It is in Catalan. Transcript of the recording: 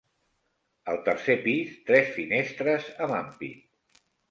Al tercer pis, tres finestres amb ampit.